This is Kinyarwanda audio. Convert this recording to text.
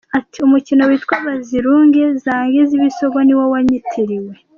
Ati “Umukino witwa ‘Bazirunge zange zibe isogo’ ni wo wanyitiriwe.